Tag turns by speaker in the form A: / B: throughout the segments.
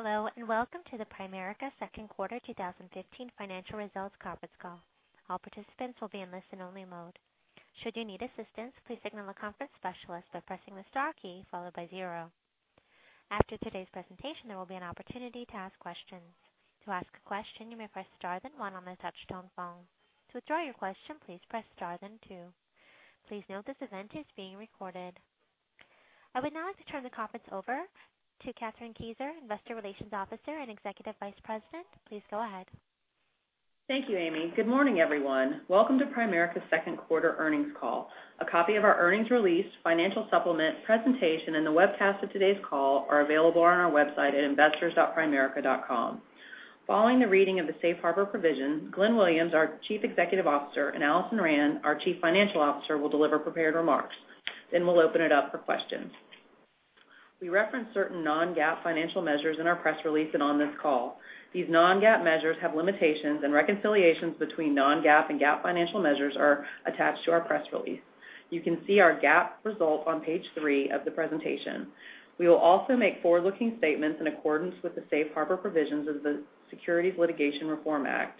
A: Hello. Welcome to the Primerica second quarter 2015 financial results conference call. All participants will be in listen only mode. Should you need assistance, please signal the conference specialist by pressing the star key followed by 0. After today's presentation, there will be an opportunity to ask questions. To ask a question, you may press star then one on a touch-tone phone. To withdraw your question, please press star then two. Please note this event is being recorded. I would now like to turn the conference over to Kathryn Kieser, Investor Relations Officer and Executive Vice President. Please go ahead.
B: Thank you, Amy. Good morning, everyone. Welcome to Primerica's second quarter earnings call. A copy of our earnings release, financial supplement presentation, and the webcast of today's call are available on our website at investors.primerica.com. Following the reading of the safe harbor provisions, Glenn Williams, our Chief Executive Officer, and Alison Rand, our Chief Financial Officer, will deliver prepared remarks. We'll open it up for questions. We reference certain non-GAAP financial measures in our press release and on this call. These non-GAAP measures have limitations, and reconciliations between non-GAAP and GAAP financial measures are attached to our press release. You can see our GAAP results on page three of the presentation. We will also make forward-looking statements in accordance with the safe harbor provisions of the Private Securities Litigation Reform Act.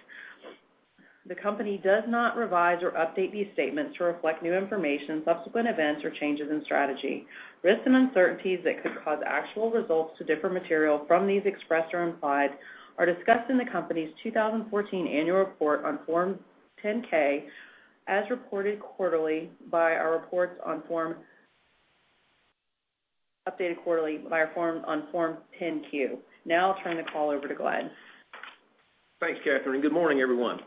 B: The company does not revise or update these statements to reflect new information, subsequent events, or changes in strategy. Risks and uncertainties that could cause actual results to differ material from these expressed or implied are discussed in the company's 2014 annual report on Form 10-K, updated quarterly by our form on Form 10-Q. I'll turn the call over to Glenn.
C: Thanks, Kathryn. Good morning, everyone.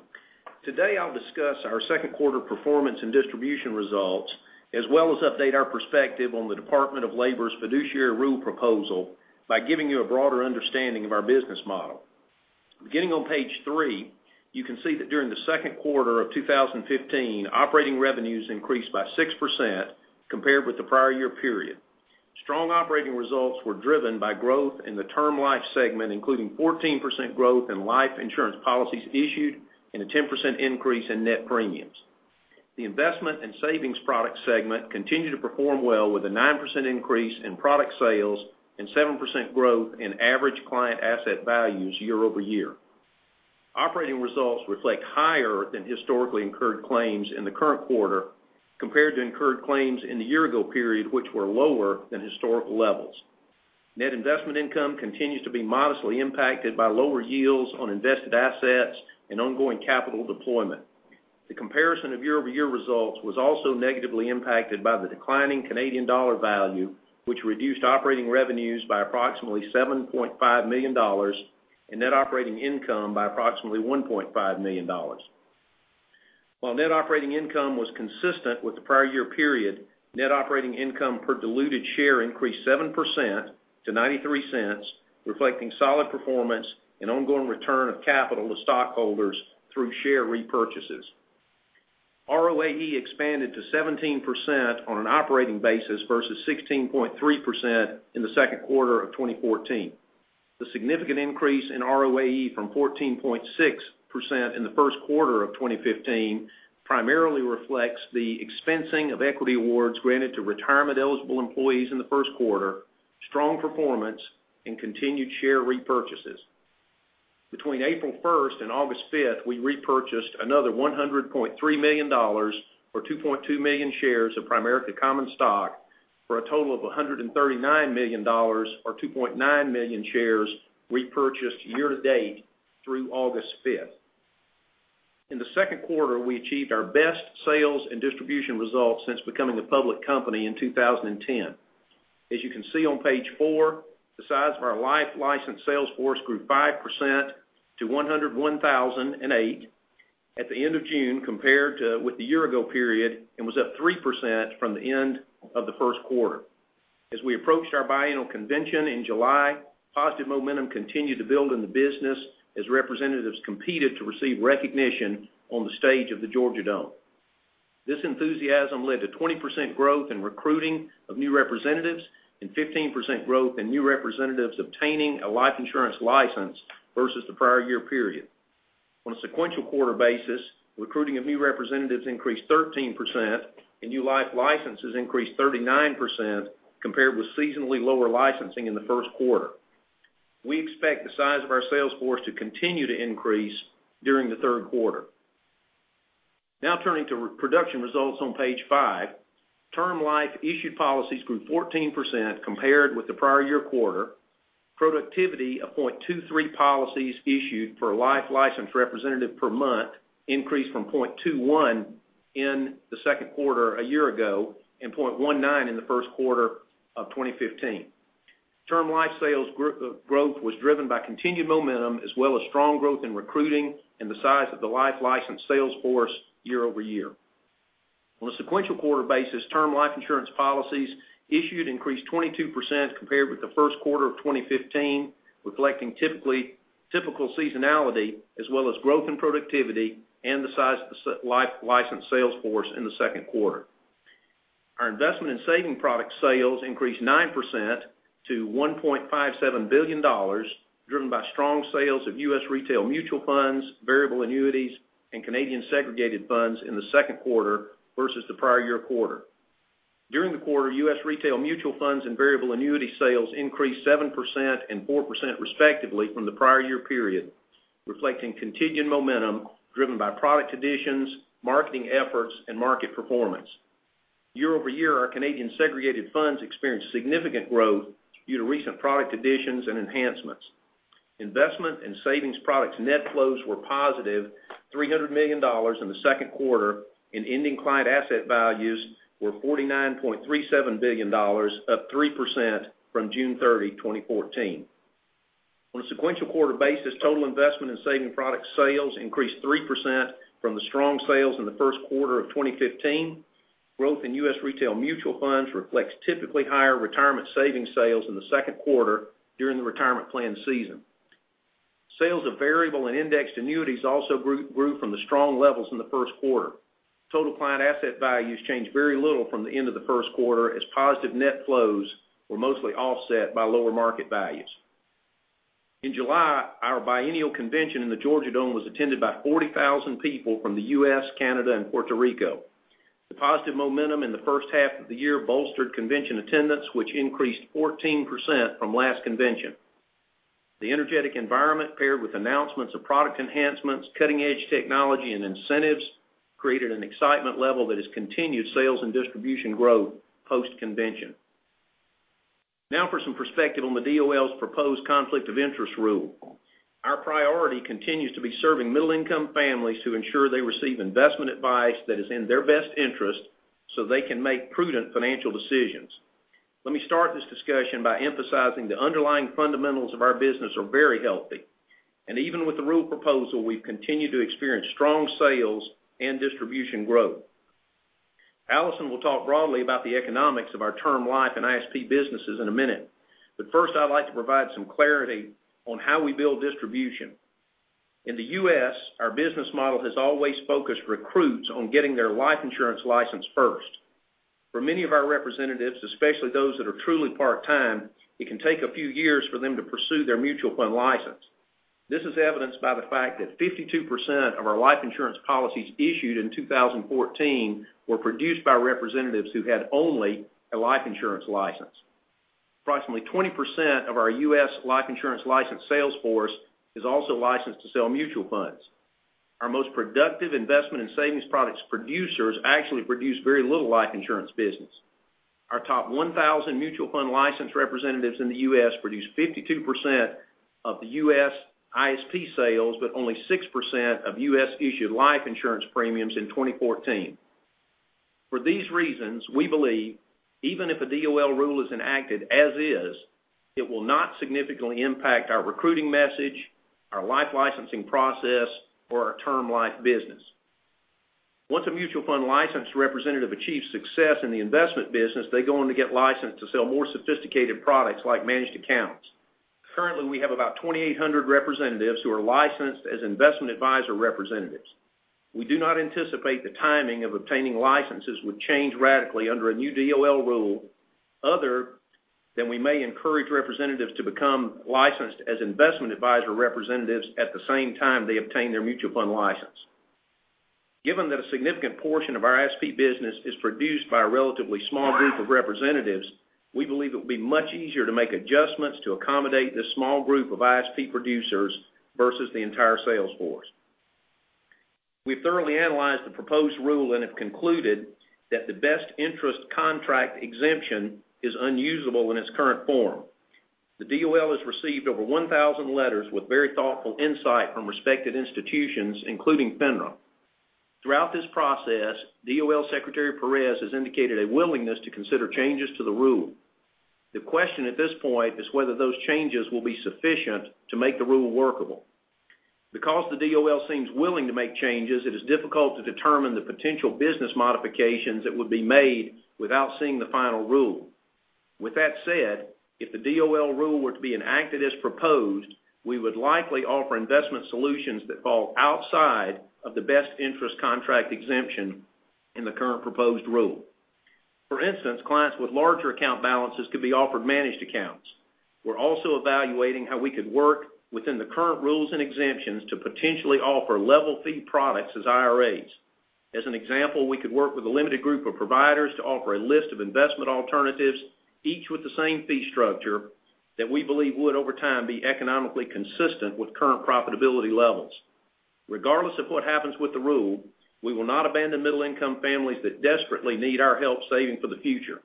C: Today, I'll discuss our second quarter performance and distribution results, as well as update our perspective on the Department of Labor's Fiduciary Rule proposal by giving you a broader understanding of our business model. Beginning on page three, you can see that during the second quarter of 2015, operating revenues increased by 6% compared with the prior year period. Strong operating results were driven by growth in the Term Life segment, including 14% growth in life insurance policies issued and a 10% increase in net premiums. The Investment and Savings Product segment continued to perform well with a 9% increase in product sales and 7% growth in average client asset values year-over-year. Operating results reflect higher than historically incurred claims in the current quarter compared to incurred claims in the year ago period, which were lower than historical levels. Net investment income continues to be modestly impacted by lower yields on invested assets and ongoing capital deployment. The comparison of year-over-year results was also negatively impacted by the declining Canadian dollar value, which reduced operating revenues by approximately $7.5 million and net operating income by approximately $1.5 million. While net operating income was consistent with the prior year period, net operating income per diluted share increased 7% to $0.93, reflecting solid performance and ongoing return of capital to stockholders through share repurchases. ROAE expanded to 17% on an operating basis versus 16.3% in the second quarter of 2014. The significant increase in ROAE from 14.6% in the first quarter of 2015 primarily reflects the expensing of equity awards granted to retirement-eligible employees in the first quarter, strong performance, and continued share repurchases. Between April 1st and August 5th, we repurchased another $100.3 million, or 2.2 million shares of Primerica common stock for a total of $139 million or 2.9 million shares repurchased year to date through August 5th. In the second quarter, we achieved our best sales and distribution results since becoming a public company in 2010. As you can see on page four, the size of our life license sales force grew 5% to 101,008 at the end of June compared with the year ago period and was up 3% from the end of the first quarter. As we approached our biannual convention in July, positive momentum continued to build in the business as representatives competed to receive recognition on the stage of the Georgia Dome. This enthusiasm led to 20% growth in recruiting of new representatives and 15% growth in new representatives obtaining a life insurance license versus the prior year period. On a sequential quarter basis, recruiting of new representatives increased 13%, and new life licenses increased 39%, compared with seasonally lower licensing in the first quarter. We expect the size of our sales force to continue to increase during the third quarter. Now turning to production results on page five. Term Life issued policies grew 14% compared with the prior year quarter. Productivity of 0.23 policies issued per life license representative per month increased from 0.21 in the second quarter a year ago and 0.19 in the first quarter of 2015. Term Life sales growth was driven by continued momentum as well as strong growth in recruiting and the size of the life license sales force year-over-year. On a sequential quarter basis, Term Life insurance policies issued increased 22% compared with the first quarter of 2015, reflecting typical seasonality as well as growth in productivity and the size of the life license sales force in the second quarter. Our Investment and Savings Product sales increased 9% to $1.57 billion, driven by strong sales of U.S. retail mutual funds, variable annuities, and Canadian segregated funds in the second quarter versus the prior year quarter. During the quarter, U.S. retail mutual funds and variable annuity sales increased 7% and 4% respectively from the prior year period, reflecting continued momentum driven by product additions, marketing efforts, and market performance. Year-over-year, our Canadian segregated funds experienced significant growth due to recent product additions and enhancements. Investment and savings products net flows were positive $300 million in the second quarter, and ending client asset values were $49.37 billion, up 3% from June 30, 2014. On a sequential quarter basis, total Investment and Savings Product sales increased 3% from the strong sales in the first quarter of 2015. Growth in U.S. retail mutual funds reflects typically higher retirement savings sales in the second quarter during the retirement plan season. Sales of variable and indexed annuities also grew from the strong levels in the first quarter. Total client asset values changed very little from the end of the first quarter, as positive net flows were mostly offset by lower market values. In July, our biennial convention in the Georgia Dome was attended by 40,000 people from the U.S., Canada, and Puerto Rico. The positive momentum in the first half of the year bolstered convention attendance, which increased 14% from last convention. The energetic environment paired with announcements of product enhancements, cutting-edge technology, and incentives created an excitement level that has continued sales and distribution growth post-convention. Now for some perspective on the DOL's proposed Conflict of Interest Rule. Our priority continues to be serving middle-income families to ensure they receive investment advice that is in their best interest so they can make prudent financial decisions. Let me start this discussion by emphasizing the underlying fundamentals of our business are very healthy. Even with the rule proposal, we've continued to experience strong sales and distribution growth. Alison will talk broadly about the economics of our Term Life and ISP businesses in a minute. First, I'd like to provide some clarity on how we build distribution. In the U.S., our business model has always focused recruits on getting their life insurance license first. For many of our representatives, especially those that are truly part-time, it can take a few years for them to pursue their mutual fund license. This is evidenced by the fact that 52% of our life insurance policies issued in 2014 were produced by representatives who had only a life insurance license. Approximately 20% of our U.S. life insurance-licensed sales force is also licensed to sell mutual funds. Our most productive investment and savings products producers actually produce very little life insurance business. Our top 1,000 mutual fund licensed representatives in the U.S. produce 52% of the U.S. ISP sales, but only 6% of U.S.-issued life insurance premiums in 2014. For these reasons, we believe even if a DOL rule is enacted as is, it will not significantly impact our recruiting message, our life licensing process, or our Term Life business. Once a mutual fund licensed representative achieves success in the investment business, they go on to get licensed to sell more sophisticated products like managed accounts. Currently, we have about 2,800 representatives who are licensed as Investment Advisor Representatives. We do not anticipate the timing of obtaining licenses would change radically under a new DOL rule, other than we may encourage representatives to become licensed as Investment Advisor Representatives at the same time they obtain their mutual fund license. Given that a significant portion of our ISP business is produced by a relatively small group of representatives, we believe it will be much easier to make adjustments to accommodate this small group of ISP producers versus the entire sales force. We've thoroughly analyzed the proposed rule and have concluded that the Best Interest Contract Exemption is unusable in its current form. The DOL has received over 1,000 letters with very thoughtful insight from respected institutions, including FINRA. Throughout this process, DOL Secretary Perez has indicated a willingness to consider changes to the rule. The question at this point is whether those changes will be sufficient to make the rule workable. The DOL seems willing to make changes, it is difficult to determine the potential business modifications that would be made without seeing the final rule. With that said, if the DOL rule were to be enacted as proposed, we would likely offer investment solutions that fall outside of the Best Interest Contract Exemption in the current proposed rule. For instance, clients with larger account balances could be offered managed accounts. We're also evaluating how we could work within the current rules and exemptions to potentially offer level fee products as IRAs. As an example, we could work with a limited group of providers to offer a list of investment alternatives, each with the same fee structure that we believe would, over time, be economically consistent with current profitability levels. Regardless of what happens with the rule, we will not abandon middle-income families that desperately need our help saving for the future.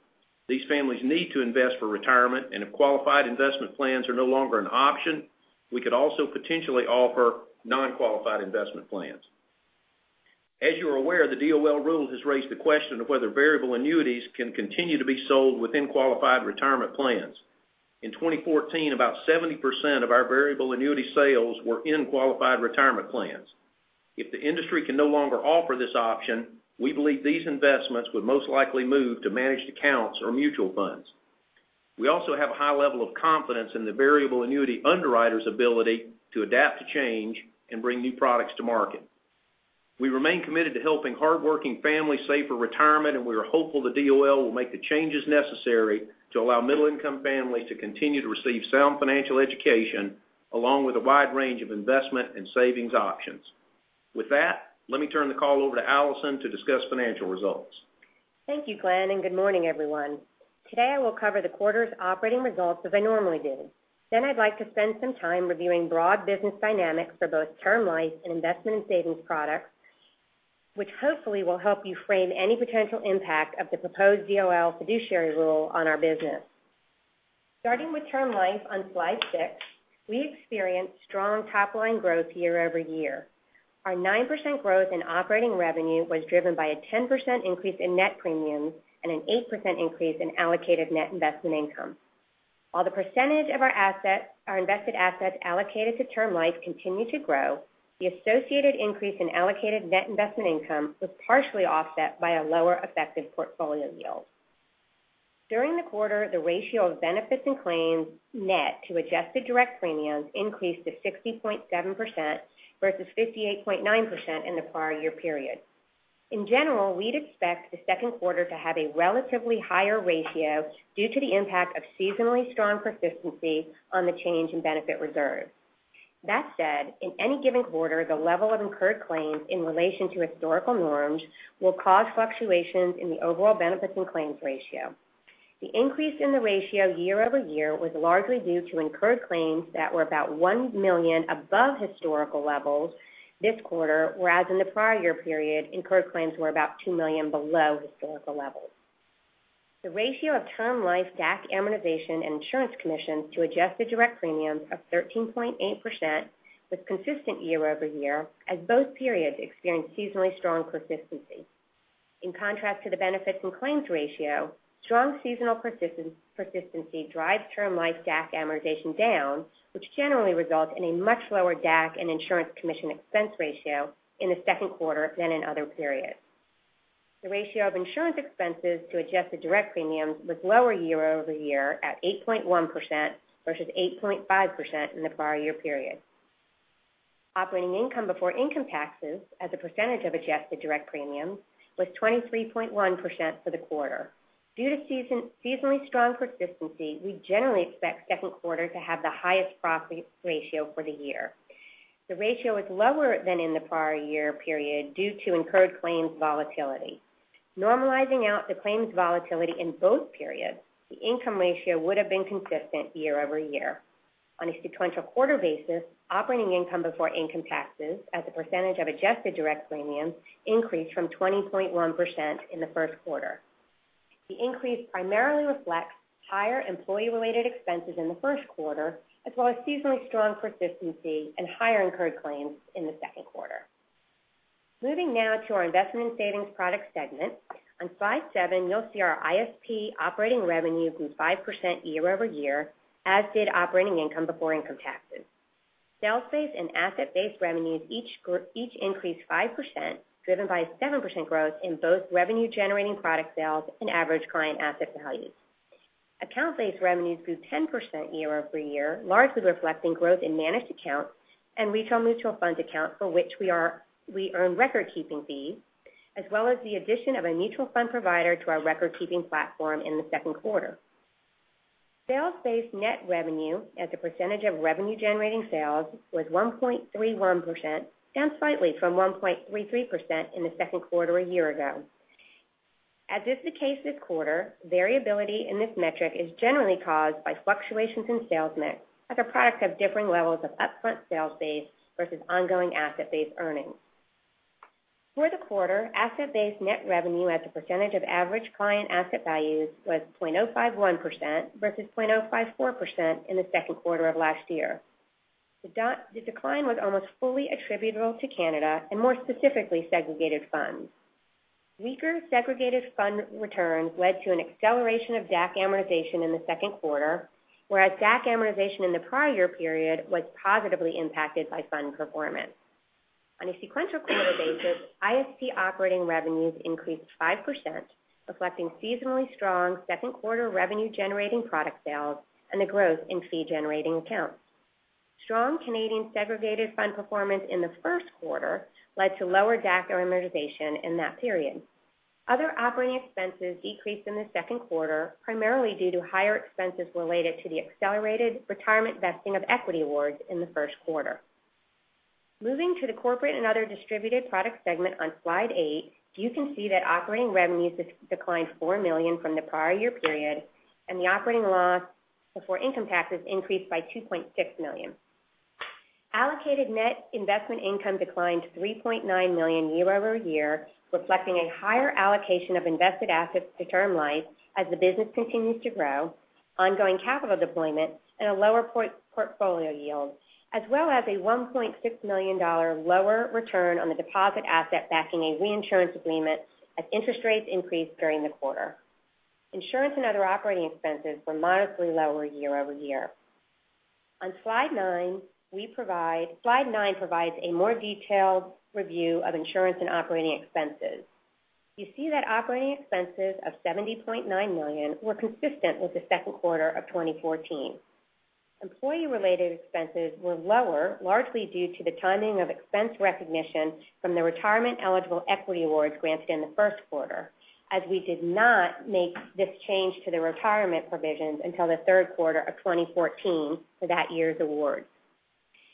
C: These families need to invest for retirement, if qualified investment plans are no longer an option, we could also potentially offer non-qualified investment plans. As you are aware, the DOL rule has raised the question of whether variable annuities can continue to be sold within qualified retirement plans. In 2014, about 70% of our variable annuity sales were in qualified retirement plans. If the industry can no longer offer this option, we believe these investments would most likely move to managed accounts or mutual funds. We also have a high level of confidence in the variable annuity underwriter's ability to adapt to change and bring new products to market. We remain committed to helping hardworking families save for retirement, we are hopeful the DOL will make the changes necessary to allow middle-income families to continue to receive sound financial education, along with a wide range of investment and savings options. With that, let me turn the call over to Alison to discuss financial results.
D: Thank you, Glenn, and good morning, everyone. Today, I will cover the quarter's operating results as I normally do. I'd like to spend some time reviewing broad business dynamics for both Term Life and investment and savings products, which hopefully will help you frame any potential impact of the proposed DOL Fiduciary Rule on our business. Starting with Term Life on slide 6, we experienced strong top-line growth year-over-year. Our 9% growth in operating revenue was driven by a 10% increase in net premiums and an 8% increase in allocated net investment income. While the percentage of our invested assets allocated to Term Life continued to grow, the associated increase in allocated net investment income was partially offset by a lower effective portfolio yield. During the quarter, the ratio of benefits and claims net to adjusted direct premiums increased to 60.7% versus 58.9% in the prior year period. In general, we'd expect the second quarter to have a relatively higher ratio due to the impact of seasonally strong persistency on the change in benefit reserve. That said, in any given quarter, the level of incurred claims in relation to historical norms will cause fluctuations in the overall benefits and claims ratio. The increase in the ratio year-over-year was largely due to incurred claims that were about $1 million above historical levels this quarter, whereas in the prior year period, incurred claims were about $2 million below historical levels. The ratio of Term Life DAC amortization and insurance commissions to adjusted direct premiums of 13.8% was consistent year-over-year, as both periods experienced seasonally strong persistency. In contrast to the benefits and claims ratio, strong seasonal persistency drives Term Life DAC amortization down, which generally results in a much lower DAC and insurance commission expense ratio in the second quarter than in other periods. The ratio of insurance expenses to adjusted direct premiums was lower year-over-year at 8.1% versus 8.5% in the prior year period. Operating income before income taxes as a percentage of adjusted direct premiums was 23.1% for the quarter. Due to seasonally strong persistency, we generally expect second quarter to have the highest profit ratio for the year. The ratio is lower than in the prior year period due to incurred claims volatility. Normalizing out the claims volatility in both periods, the income ratio would have been consistent year-over-year. On a sequential quarter basis, operating income before income taxes as a percentage of adjusted direct premiums increased from 20.1% in the first quarter. The increase primarily reflects higher employee-related expenses in the first quarter, as well as seasonally strong persistency and higher incurred claims in the second quarter. Moving now to our Investment and Savings Product segment. On slide seven, you'll see our ISP operating revenue grew 5% year-over-year, as did operating income before income taxes. Sales-based and asset-based revenues each increased 5%, driven by 7% growth in both revenue-generating product sales and average client asset values. Account-based revenues grew 10% year-over-year, largely reflecting growth in managed accounts and retail mutual fund accounts for which we earn record-keeping fees, as well as the addition of a mutual fund provider to our record-keeping platform in the second quarter. Sales-based net revenue as a percentage of revenue-generating sales was 1.31%, down slightly from 1.33% in the second quarter a year ago. As is the case this quarter, variability in this metric is generally caused by fluctuations in sales mix, as a product of differing levels of upfront sales pace versus ongoing asset-based earnings. For the quarter, asset-based net revenue as a percentage of average client asset values was 0.051% versus 0.054% in the second quarter of last year. The decline was almost fully attributable to Canada, and more specifically, segregated funds. Weaker segregated fund returns led to an acceleration of DAC amortization in the second quarter, whereas DAC amortization in the prior year period was positively impacted by fund performance. On a sequential quarter basis, ISP operating revenues increased 5%, reflecting seasonally strong second quarter revenue-generating product sales and a growth in fee-generating accounts. Strong Canadian segregated fund performance in the first quarter led to lower DAC amortization in that period. Other operating expenses decreased in the second quarter, primarily due to higher expenses related to the accelerated retirement vesting of equity awards in the first quarter. Moving to the Corporate and Other Distributed Products segment on slide eight, you can see that operating revenues declined $4 million from the prior year period, and the operating loss before income taxes increased by $2.6 million. Allocated net investment income declined $3.9 million year-over-year, reflecting a higher allocation of invested assets to Term Life as the business continues to grow, ongoing capital deployment and a lower portfolio yield, as well as a $1.6 million lower return on the deposit asset backing a reinsurance agreement as interest rates increased during the quarter. Insurance and other operating expenses were modestly lower year-over-year. On slide nine, we provide a more detailed review of insurance and operating expenses. You see that operating expenses of $70.9 million were consistent with the second quarter of 2014. Employee-related expenses were lower, largely due to the timing of expense recognition from the retirement-eligible equity awards granted in the first quarter, as we did not make this change to the retirement provisions until the third quarter of 2014 for that year's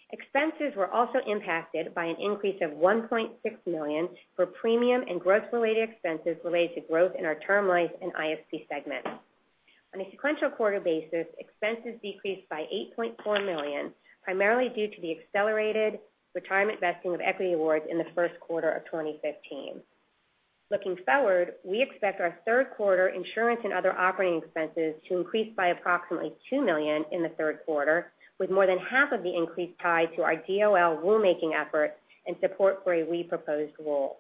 D: award. Expenses were also impacted by an increase of $1.6 million for premium and growth-related expenses related to growth in our Term Life and ISP segments. On a sequential quarter basis, expenses decreased by $8.4 million, primarily due to the accelerated retirement vesting of equity awards in the first quarter of 2015. Looking forward, we expect our third quarter insurance and other operating expenses to increase by approximately $2 million in the third quarter, with more than half of the increase tied to our DOL rulemaking effort and support for a re-proposed rule.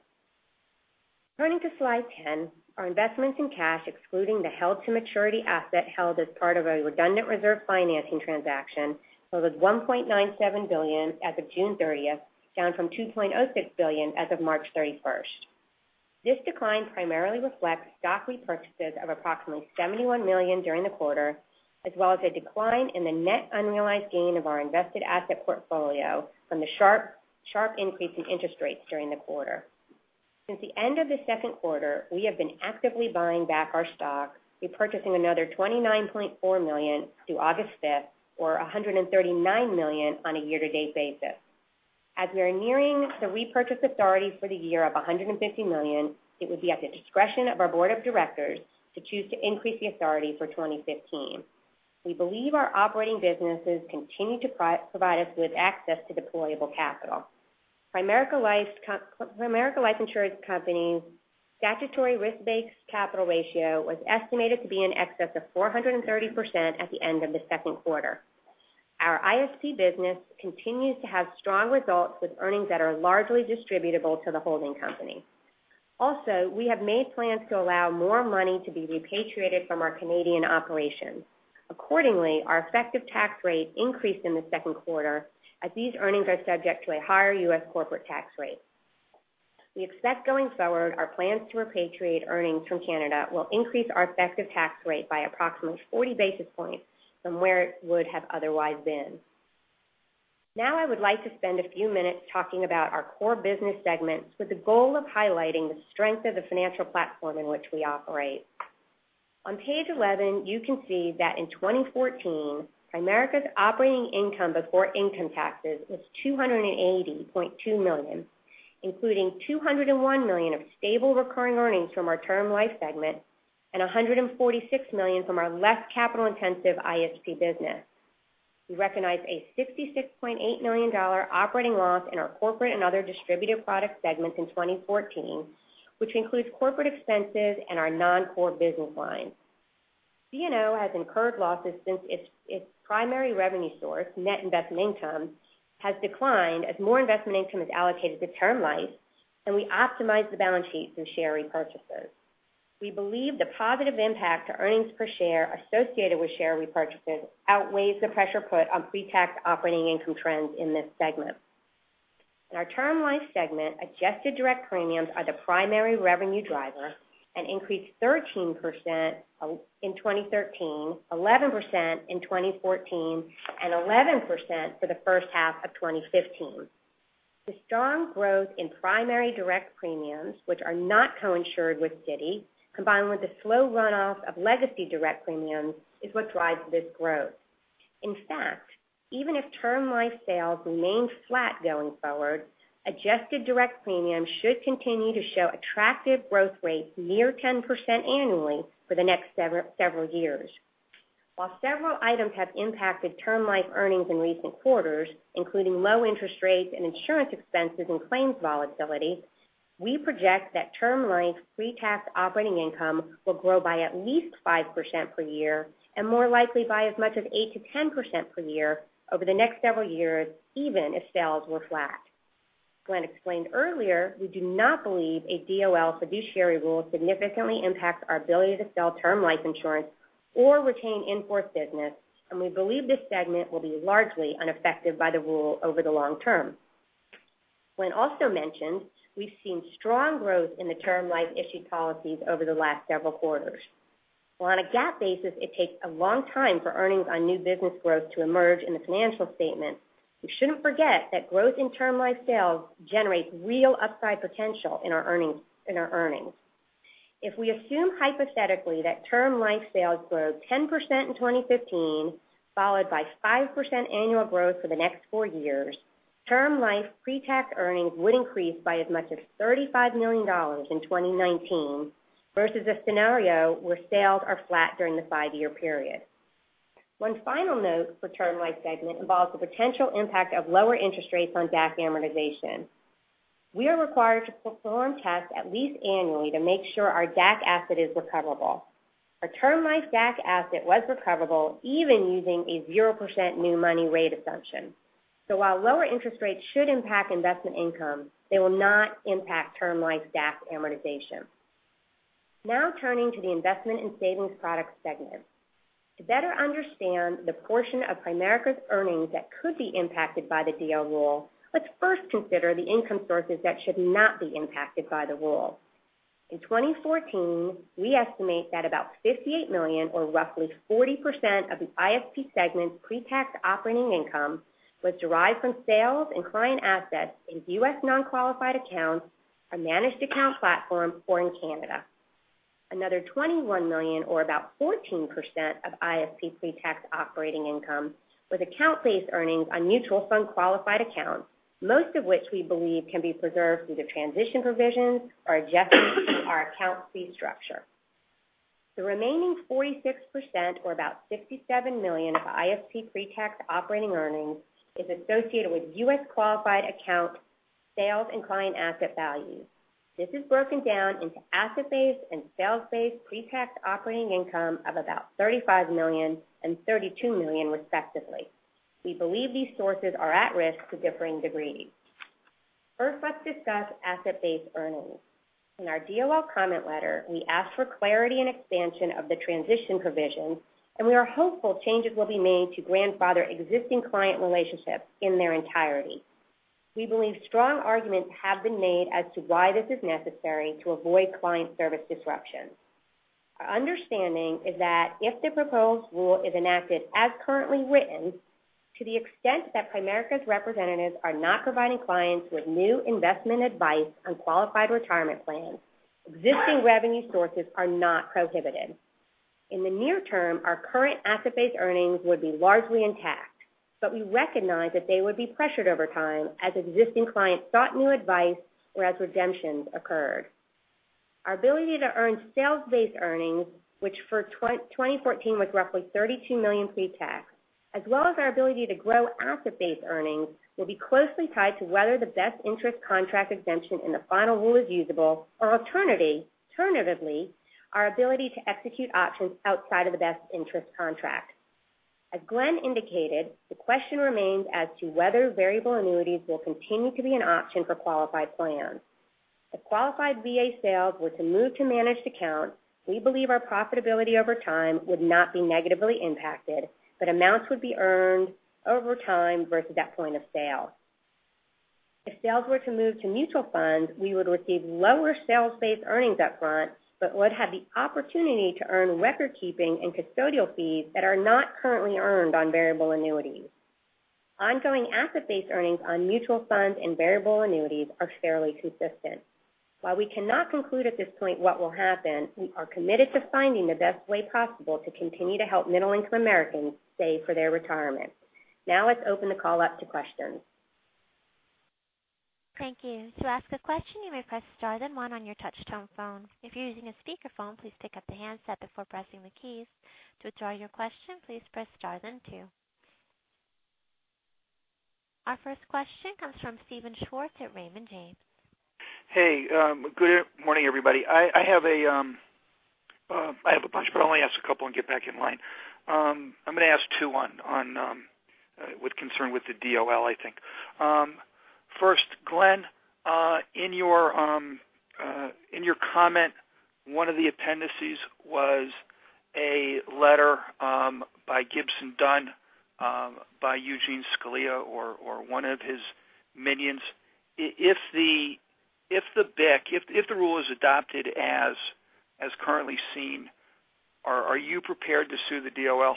D: Turning to slide 10, our investments in cash, excluding the held-to-maturity asset held as part of a redundant reserve financing transaction, totals $1.97 billion as of June 30th, down from $2.06 billion as of March 31st. This decline primarily reflects stock repurchases of approximately $71 million during the quarter, as well as a decline in the net unrealized gain of our invested asset portfolio from the sharp increase in interest rates during the quarter. Since the end of the second quarter, we have been actively buying back our stock, repurchasing another $29.4 million through August 5th, or $139 million on a year-to-date basis. We are nearing the repurchase authority for the year of $150 million, it would be at the discretion of our board of directors to choose to increase the authority for 2015. We believe our operating businesses continue to provide us with access to deployable capital. Primerica Life Insurance Company's statutory risk-based capital ratio was estimated to be in excess of 430% at the end of the second quarter. Our ISP business continues to have strong results, with earnings that are largely distributable to the holding company. Also, we have made plans to allow more money to be repatriated from our Canadian operations. Accordingly, our effective tax rate increased in the second quarter, as these earnings are subject to a higher U.S. corporate tax rate. We expect going forward, our plans to repatriate earnings from Canada will increase our effective tax rate by approximately 40 basis points from where it would have otherwise been. I would like to spend a few minutes talking about our core business segments with the goal of highlighting the strength of the financial platform in which we operate. On page 11, you can see that in 2014, Primerica's operating income before income taxes was $280.2 million, including $201 million of stable recurring earnings from our Term Life segment and $146 million from our less capital-intensive ISP business. We recognize a $66.8 million operating loss in our Corporate and Other Distributed Products segments in 2014, which includes corporate expenses and our non-core business lines. C&O has incurred losses since its primary revenue source, net investment income, has declined as more investment income is allocated to Term Life, and we optimize the balance sheet through share repurchases. We believe the positive impact to earnings per share associated with share repurchases outweighs the pressure put on pre-tax operating income trends in this segment. In our Term Life segment, adjusted direct premiums are the primary revenue driver and increased 13% in 2013, 11% in 2014, and 11% for the first half of 2015. The strong growth in primary direct premiums, which are not co-insured with Citi, combined with the slow runoff of legacy direct premiums, is what drives this growth. In fact, even if Term Life sales remained flat going forward, adjusted direct premiums should continue to show attractive growth rates near 10% annually for the next several years. While several items have impacted Term Life earnings in recent quarters, including low interest rates and insurance expenses and claims volatility, we project that Term Life pre-tax operating income will grow by at least 5% per year and more likely by as much as 8%-10% per year over the next several years, even if sales were flat. Glenn explained earlier, we do not believe a DOL Fiduciary Rule significantly impacts our ability to sell Term Life insurance or retain in-force business, and we believe this segment will be largely unaffected by the rule over the long term. Glenn also mentioned, we've seen strong growth in the Term Life issued policies over the last several quarters. While on a GAAP basis, it takes a long time for earnings on new business growth to emerge in the financial statement, we shouldn't forget that growth in Term Life sales generates real upside potential in our earnings. If we assume hypothetically that Term Life sales grow 10% in 2015, followed by 5% annual growth for the next four years, Term Life pre-tax earnings would increase by as much as $35 million in 2019 versus a scenario where sales are flat during the five-year period. One final note for Term Life segment involves the potential impact of lower interest rates on DAC amortization. We are required to perform tests at least annually to make sure our DAC asset is recoverable. Our Term Life DAC asset was recoverable even using a 0% new money rate assumption. While lower interest rates should impact investment income, they will not impact Term Life DAC amortization. Turning to the Investment and Savings Product segment. To better understand the portion of Primerica's earnings that could be impacted by the DOL rule, let's first consider the income sources that should not be impacted by the rule. In 2014, we estimate that about $58 million, or roughly 40% of the ISP segment's pre-tax operating income, was derived from sales and client assets in U.S. non-qualified accounts, our managed account platform, or in Canada. Another $21 million or about 14% of ISP pretax operating income was account fees earnings on mutual fund qualified accounts, most of which we believe can be preserved through the transition provisions or adjustments to our account fee structure. The remaining 46%, or about $67 million of ISP pretax operating earnings, is associated with U.S. qualified account sales and client asset values. This is broken down into asset-based and sales-based pretax operating income of about $35 million and $32 million respectively. We believe these sources are at risk to differing degrees. First, let's discuss asset-based earnings. In our DOL comment letter, we asked for clarity and expansion of the transition provisions, and we are hopeful changes will be made to grandfather existing client relationships in their entirety. We believe strong arguments have been made as to why this is necessary to avoid client service disruption. Our understanding is that if the proposed rule is enacted as currently written, to the extent that Primerica's representatives are not providing clients with new investment advice on qualified retirement plans, existing revenue sources are not prohibited. In the near term, our current asset-based earnings would be largely intact. We recognize that they would be pressured over time as existing clients sought new advice or as redemptions occurred. Our ability to earn sales-based earnings, which for 2014 was roughly $32 million pretax, as well as our ability to grow asset-based earnings, will be closely tied to whether the Best Interest Contract Exemption in the final rule is usable, or alternatively, our ability to execute options outside of the Best Interest Contract. As Glenn indicated, the question remains as to whether variable annuities will continue to be an option for qualified plans. If qualified VA sales were to move to managed accounts, we believe our profitability over time would not be negatively impacted, but amounts would be earned over time versus at point of sale. If sales were to move to mutual funds, we would receive lower sales-based earnings upfront, but would have the opportunity to earn record-keeping and custodial fees that are not currently earned on variable annuities. Ongoing asset-based earnings on mutual funds and variable annuities are fairly consistent. While we cannot conclude at this point what will happen, we are committed to finding the best way possible to continue to help middle-income Americans save for their retirement. Let's open the call up to questions.
A: Thank you. To ask a question, you may press star then one on your touch-tone phone. If you're using a speakerphone, please pick up the handset before pressing the keys. To withdraw your question, please press star then two. Our first question comes from Steven Schwartz at Raymond James.
E: Hey, good morning, everybody. I have a bunch. I'll only ask a couple and get back in line. I'm going to ask two with concern with the DOL, I think. First, Glenn, in your comment, one of the appendices was a letter by Gibson Dunn by Eugene Scalia or one of his minions. If the rule is adopted as currently seen, are you prepared to sue the DOL?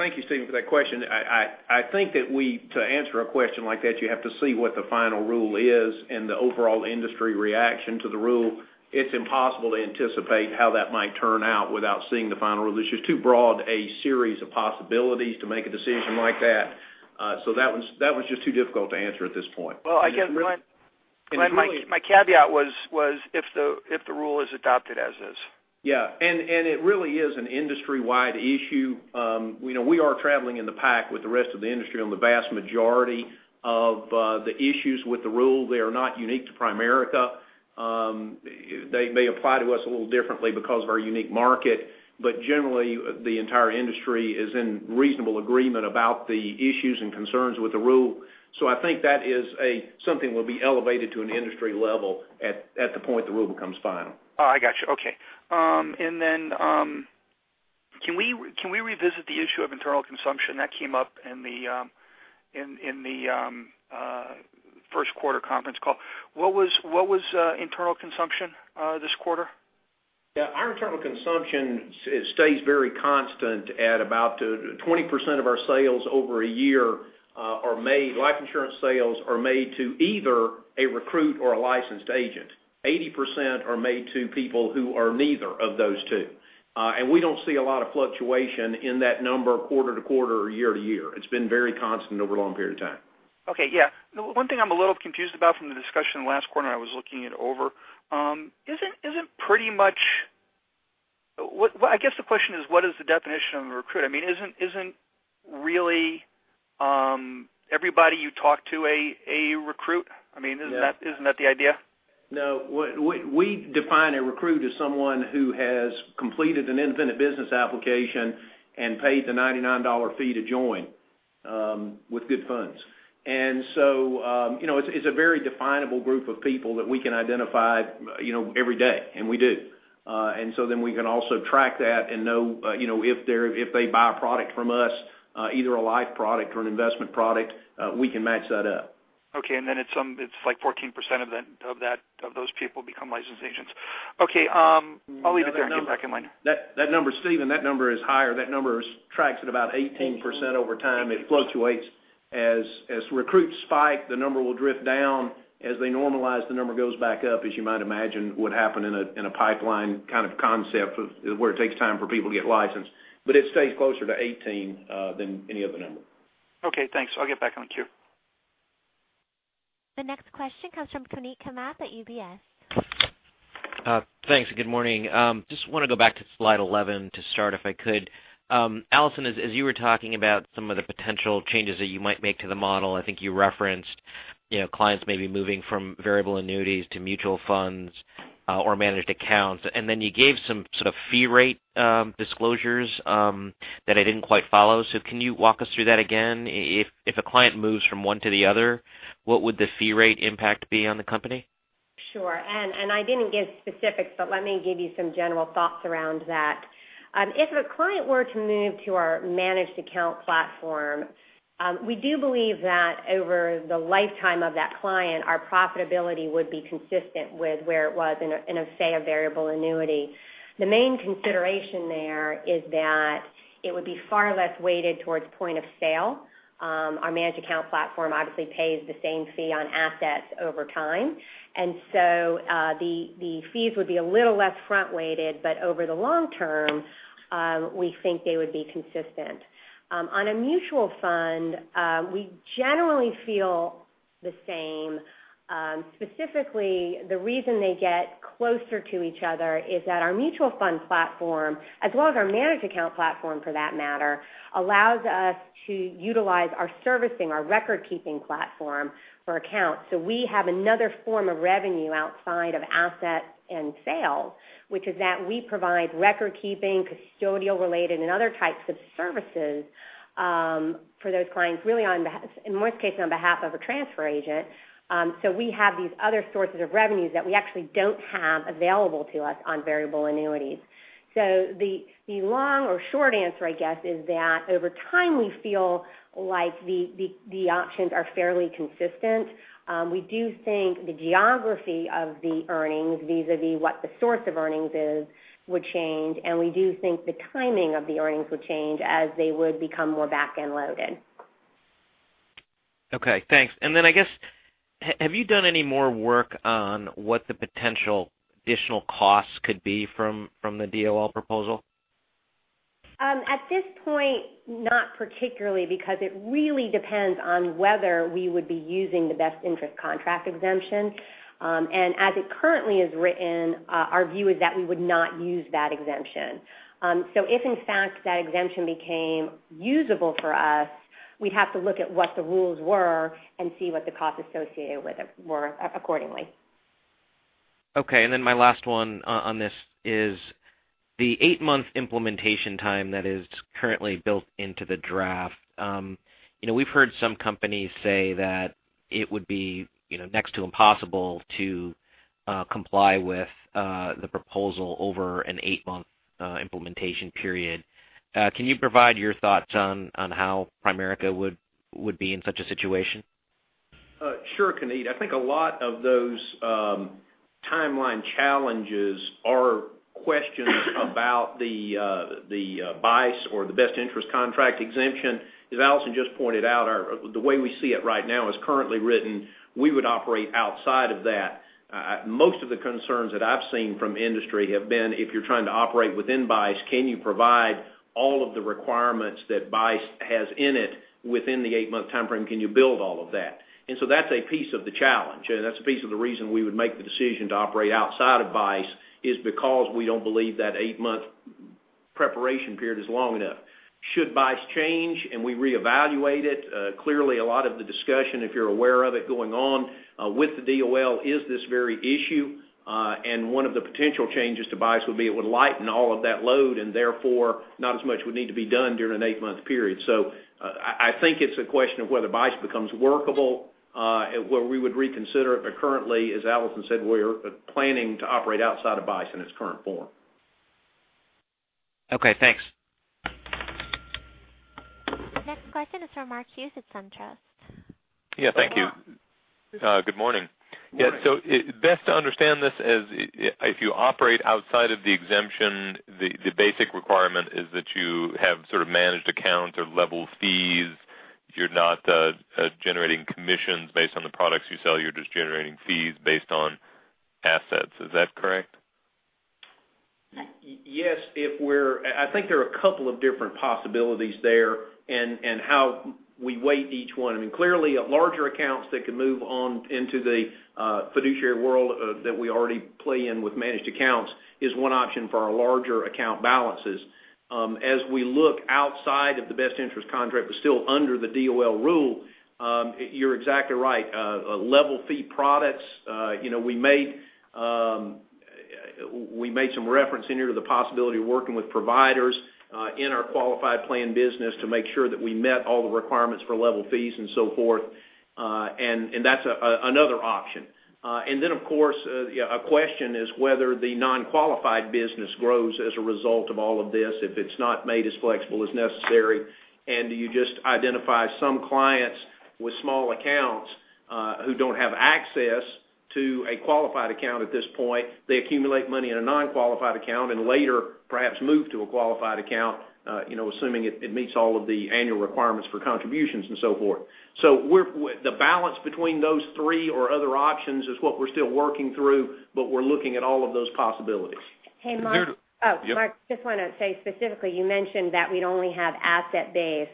C: Thank you, Steven, for that question. I think that to answer a question like that, you have to see what the final rule is and the overall industry reaction to the rule. It's impossible to anticipate how that might turn out without seeing the final rule. There's just too broad a series of possibilities to make a decision like that. That was just too difficult to answer at this point.
E: Well, I guess, Glenn, my caveat was if the rule is adopted as is.
C: Yeah. It really is an industry-wide issue. We are traveling in the pack with the rest of the industry on the vast majority of the issues with the rule. They are not unique to Primerica. They may apply to us a little differently because of our unique market, but generally, the entire industry is in reasonable agreement about the issues and concerns with the rule. I think that is something will be elevated to an industry level at the point the rule becomes final.
E: Oh, I got you. Okay. Can we revisit the issue of internal consumption that came up in the first quarter conference call? What was internal consumption this quarter?
C: Yeah. Our internal consumption stays very constant at about 20% of our sales over a year are made, life insurance sales are made to either a recruit or a licensed agent. 80% are made to people who are neither of those two. We don't see a lot of fluctuation in that number quarter to quarter or year to year. It's been very constant over a long period of time.
E: Okay. Yeah. One thing I'm a little confused about from the discussion last quarter, and I was looking it over. I guess the question is, what is the definition of a recruit? I mean, isn't really everybody you talk to a recruit? I mean, isn't that the idea?
C: No. We define a recruit as someone who has completed an Independent Business Application and paid the $99 fee to join with good funds. It's a very definable group of people that we can identify every day, and we do. We can also track that and know if they buy a product from us, either a life product or an investment product, we can match that up.
E: Okay. It's like 14% of those people become licensed agents. Okay. I'll leave it there and get back in line.
C: That number, Steven, that number is higher. That number tracks at about 18% over time. It fluctuates As recruits spike, the number will drift down. As they normalize, the number goes back up, as you might imagine would happen in a pipeline kind of concept of where it takes time for people to get licensed. It stays closer to 18 than any other number.
E: Okay, thanks. I'll get back in the queue.
A: The next question comes from Suneet Kamath at UBS.
F: Thanks. Good morning. Just want to go back to slide 11 to start, if I could. Alison, as you were talking about some of the potential changes that you might make to the model, I think you referenced clients maybe moving from variable annuities to mutual funds or managed accounts. You gave some sort of fee rate disclosures that I didn't quite follow. Can you walk us through that again? If a client moves from one to the other, what would the fee rate impact be on the company?
D: Sure. I didn't give specifics, but let me give you some general thoughts around that. If a client were to move to our managed account platform, we do believe that over the lifetime of that client, our profitability would be consistent with where it was in, say, a variable annuity. The main consideration there is that it would be far less weighted towards point of sale. Our managed account platform obviously pays the same fee on assets over time, and so the fees would be a little less front-weighted, but over the long term, we think they would be consistent. On a mutual fund, we generally feel the same. Specifically, the reason they get closer to each other is that our mutual fund platform, as well as our managed account platform for that matter, allows us to utilize our servicing, our record-keeping platform for accounts. We have another form of revenue outside of assets and sales, which is that we provide recordkeeping, custodial-related, and other types of services for those clients, really in most cases, on behalf of a transfer agent. We have these other sources of revenues that we actually don't have available to us on variable annuities. The long or short answer, I guess, is that over time, we feel like the options are fairly consistent. We do think the geography of the earnings vis-a-vis what the source of earnings is would change, and we do think the timing of the earnings would change as they would become more back-end loaded.
F: Okay, thanks. I guess, have you done any more work on what the potential additional costs could be from the DOL proposal?
D: At this point, not particularly, because it really depends on whether we would be using the Best Interest Contract Exemption. As it currently is written, our view is that we would not use that exemption. If in fact that exemption became usable for us, we'd have to look at what the rules were and see what the costs associated with it were accordingly.
F: Okay, my last one on this is the eight-month implementation time that is currently built into the draft. We've heard some companies say that it would be next to impossible to comply with the proposal over an eight-month implementation period. Can you provide your thoughts on how Primerica would be in such a situation?
C: Sure, Suneet. I think a lot of those timeline challenges are questions about the BICE or the Best Interest Contract Exemption. As Alison just pointed out, the way we see it right now as currently written, we would operate outside of that. Most of the concerns that I've seen from industry have been if you're trying to operate within BICE, can you provide all of the requirements that BICE has in it within the eight-month timeframe? Can you build all of that? That's a piece of the challenge, and that's a piece of the reason we would make the decision to operate outside of BICE is because we don't believe that eight-month preparation period is long enough. Should BICE change and we reevaluate it, clearly a lot of the discussion, if you're aware of it going on with the DOL is this very issue. One of the potential changes to BICE would be it would lighten all of that load and therefore not as much would need to be done during an eight-month period. I think it's a question of whether BICE becomes workable, where we would reconsider it. Currently, as Alison said, we're planning to operate outside of BICE in its current form.
F: Okay, thanks.
A: Next question is from Mark Hughes at SunTrust.
G: Yeah, thank you. Good morning.
C: Morning.
G: Yeah. Best to understand this as if you operate outside of the exemption, the basic requirement is that you have sort of managed accounts or level fees. You're not generating commissions based on the products you sell. You're just generating fees based on assets. Is that correct?
C: Yes. I think there are a couple of different possibilities there and how we weight each one. I mean, clearly larger accounts that can move on into the fiduciary world that we already play in with managed accounts is one option for our larger account balances. As we look outside of the Best Interest Contract, but still under the DOL rule, you're exactly right, level fee products. We made some reference in here to the possibility of working with providers in our qualified plan business to make sure that we met all the requirements for level fees and so forth. That's another option. Then, of course, a question is whether the non-qualified business grows as a result of all of this, if it's not made as flexible as necessary, and do you just identify some clients with small accounts who don't have access to a qualified account at this point. They accumulate money in a non-qualified account and later perhaps move to a qualified account, assuming it meets all of the annual requirements for contributions and so forth. The balance between those three or other options is what we're still working through, but we're looking at all of those possibilities.
D: Hey, Mark.
C: Yes.
D: Mark, I just want to say specifically, you mentioned that we'd only have asset base.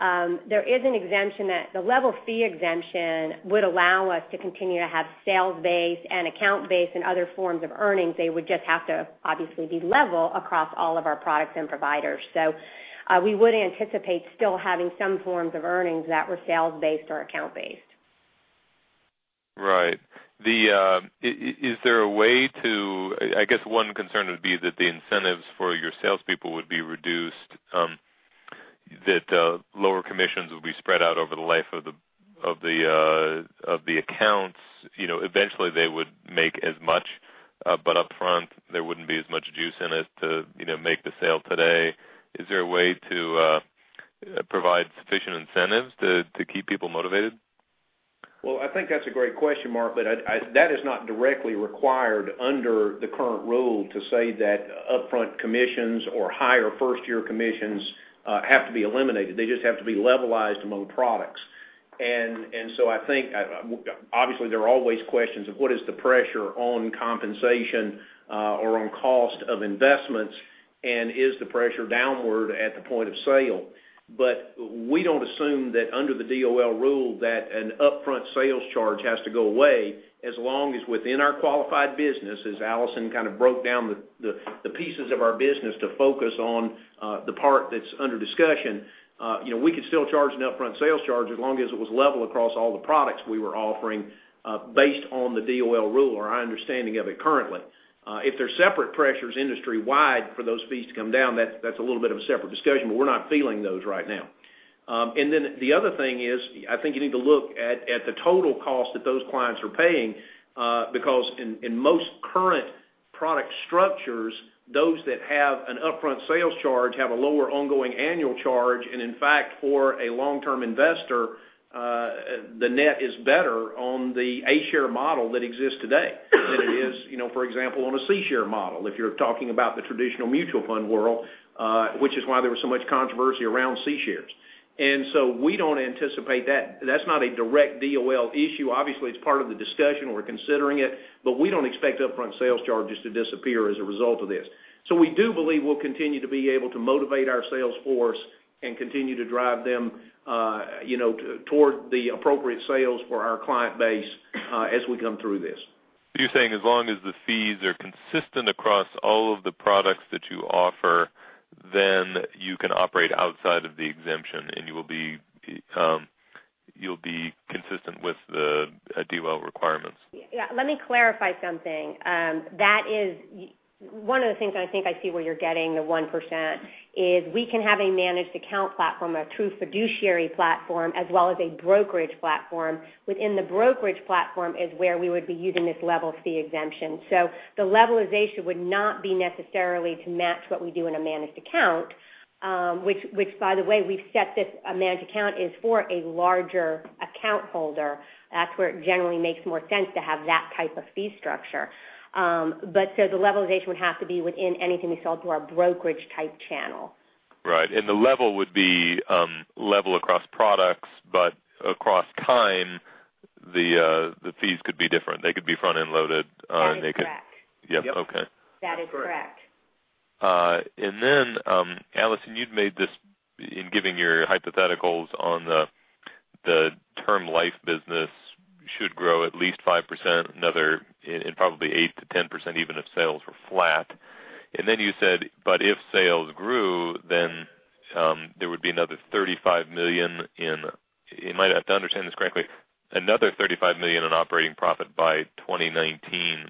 D: There is an exemption that the level fee exemption would allow us to continue to have sales-based and account-based and other forms of earnings. They would just have to obviously be level across all of our products and providers. We would anticipate still having some forms of earnings that were sales-based or account-based.
G: Right. I guess one concern would be that the incentives for your salespeople would be reduced, that lower commissions would be spread out over the life of the accounts. Eventually they would make as much, upfront there wouldn't be as much juice in it to make the sale today. Is there a way to provide sufficient incentives to keep people motivated?
C: I think that's a great question, Mark. That is not directly required under the current rule to say that upfront commissions or higher first-year commissions have to be eliminated. They just have to be levelized among products. Obviously there are always questions of what is the pressure on compensation or on cost of investments, and is the pressure downward at the point of sale. We don't assume that under the DOL rule that an upfront sales charge has to go away as long as within our qualified business, as Alison kind of broke down the pieces of our business to focus on the part that's under discussion. We could still charge an upfront sales charge as long as it was level across all the products we were offering based on the DOL rule or our understanding of it currently. If there's separate pressures industry-wide for those fees to come down, that's a little bit of a separate discussion, but we're not feeling those right now. The other thing is, I think you need to look at the total cost that those clients are paying because in most current product structures, those that have an upfront sales charge have a lower ongoing annual charge, and in fact, for a long-term investor, the net is better on the A share model that exists today than it is, for example, on a C share model, if you're talking about the traditional mutual fund world, which is why there was so much controversy around C shares. We don't anticipate that. That's not a direct DOL issue. Obviously, it's part of the discussion. We're considering it, but we don't expect upfront sales charges to disappear as a result of this. We do believe we'll continue to be able to motivate our sales force and continue to drive them toward the appropriate sales for our client base as we come through this.
G: You're saying as long as the fees are consistent across all of the products that you offer, then you can operate outside of the exemption, and you'll be consistent with the DOL requirements.
D: Yeah. Let me clarify something. One of the things I think I see where you're getting the 1% is we can have a managed account platform, a true fiduciary platform, as well as a brokerage platform. Within the brokerage platform is where we would be using this level fee exemption. The levelization would not be necessarily to match what we do in a managed account, which by the way, we've set this managed account is for a larger account holder. That's where it generally makes more sense to have that type of fee structure. The levelization would have to be within anything we sell to our brokerage-type channel.
G: Right. The level would be level across products, but across time, the fees could be different. They could be front-end loaded and they could.
D: That is correct.
G: Yeah. Okay.
C: Yep.
D: That is correct.
C: That's correct.
G: Alison, you'd made this in giving your hypotheticals on the Term Life business should grow at least 5%, another, and probably 8%-10%, even if sales were flat. You said, if sales grew, there would be another $35 million in, you might have to understand this correctly, another $35 million in operating profit by 2019.